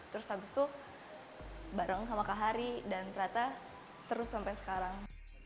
terus habis itu bareng sama kak hari dan ternyata terus sampai sekarang